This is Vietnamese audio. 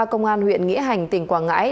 công an huyện nghĩa hành tỉnh quảng ngãi